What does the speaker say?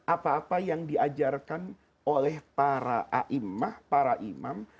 apa apa yang diajarkan oleh para aimah para imam